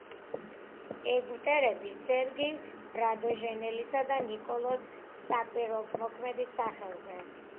ეგვტერები სერგი რადონეჟელისა და ნიკოლოზ საკვირველთმოქმედის სახელზე.